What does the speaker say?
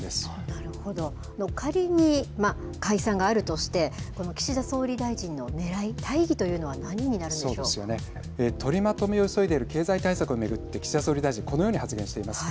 なるほど仮に解散があるとして岸田総理大臣のねらい大義というのは取りまとめを急いでいる経済対策を巡って岸田総理大臣このように発言しています。